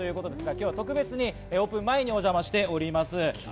今日は特別にオープン前にお邪魔しております。